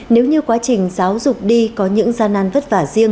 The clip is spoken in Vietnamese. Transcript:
nếu như quá trình giáo dục đi có những gian năn vất vả